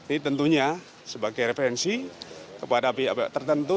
ini tentunya sebagai referensi kepada pihak pihak tertentu